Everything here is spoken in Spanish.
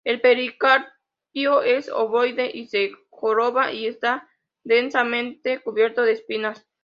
El pericarpio es ovoide y se joroba y está densamente cubierto de espinas.